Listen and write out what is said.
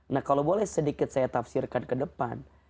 nah kalau boleh sedikit saya tafsirkan ke depan